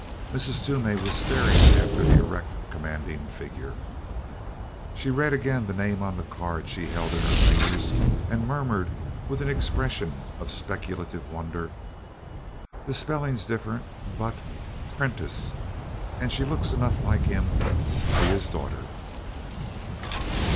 Mrs. Toomey was staring after the erect commanding figure. She read again the name on the card she held in her fingers and murmured with an expression of speculative wonder: "The spelling's different but Prentiss! and she looks enough like him to be his daughter."